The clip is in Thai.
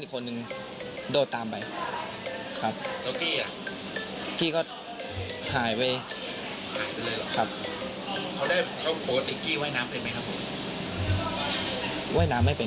อีกคนนึงโดดตามไปที่ก็หายไว้น้ำไปไว้น้ำไม่เป็น